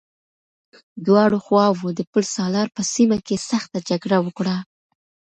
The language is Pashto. دواړو خواوو د پل سالار په سيمه کې سخته جګړه وکړه.